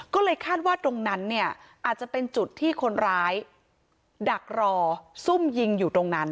ก็เลยคาดว่าตรงนั้นเนี่ยอาจจะเป็นจุดที่คนร้ายดักรอซุ่มยิงอยู่ตรงนั้น